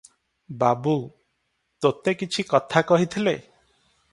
ବାବୁ- ତୋତେ କିଛି କଥା କହିଥିଲେ?